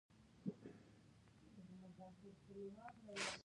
خو د نجيبې ځورېدل يې له حوصلې پورته وو.